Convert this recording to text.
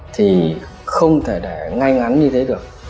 thì không thể để ngay ngắn như thế được